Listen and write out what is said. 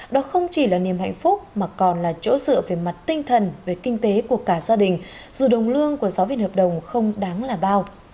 đó không chỉ là niềm hạnh phúc mà còn là chỗ dựa về mặt tinh thần về kinh tế của cả gia đình dù đồng lương của giáo viên hợp đồng không đáng là bao